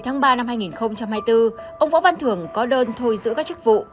ngày hai mươi ba hai nghìn hai mươi bốn ông võ văn thường có đơn thôi giữ các chức vụ